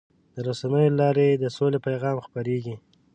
د رسنیو له لارې د سولې پیغام خپرېږي.